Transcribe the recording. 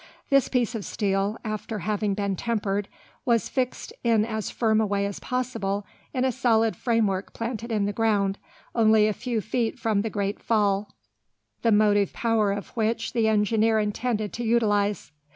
This piece of steel, after having been tempered, was fixed in as firm a way as possible in a solid framework planted in the ground, only a few feet from the great fall, the motive power of which the engineer intended to utilise.